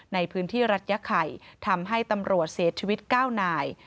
ในพื้นที่รัฐยะไข่ทำให้ตำรวจเสียชีวิต๙นาย